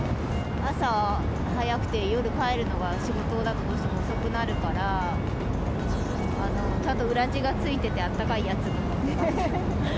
朝早くて、夜帰るのが仕事だとどうしても遅くなるから、ちゃんと裏地がついてて、あったかいやつを。